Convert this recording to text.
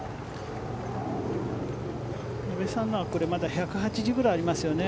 阿部さんのはまだ１８０くらいありますよね。